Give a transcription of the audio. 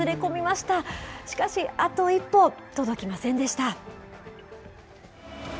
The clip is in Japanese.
しかし、あと一歩届きませんでした。